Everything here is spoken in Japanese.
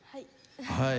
はい。